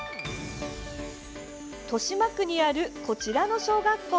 豊島区にあるこちらの小学校。